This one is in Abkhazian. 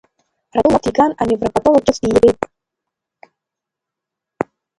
Радоу лаб диган, аневропатолог ҿыц диирбеит.